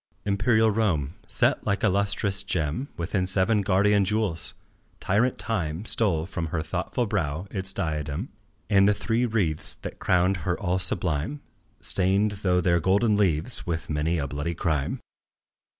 Imperial Rome, set like a lustrous gem Within seven guardian jewels! Tyrant Time Stole from her thoughtful brow its diadem And the three wreaths that crowned her all sublime, Stained though their golden leaves with many a bloody crime.